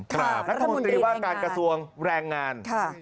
รัฐมนตรีว่าการกระทรวงแรงงาน